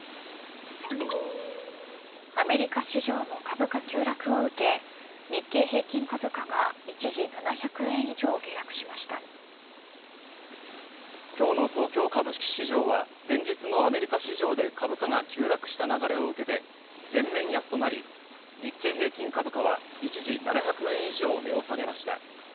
アメリカ市場の株価急落を受け日経平均株価が今日の東京株式市場は前日のアメリカ市場で株価が急落した流れを受けて全面安となり、日経平均株価は一時７００円以上値を下げました。